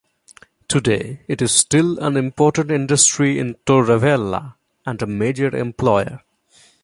Today, it is still an important industry in Torrevella and a major employer.